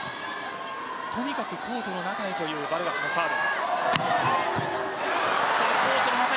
とにかくコートの中へというバルガスのサーブ。